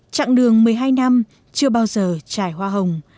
trạng đường một mươi hai năm chưa bao giờ trải hoa hồng